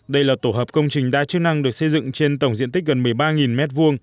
đây là tổ hợp công trình đa chức năng được xây dựng trên tổng diện tích gần một mươi ba m hai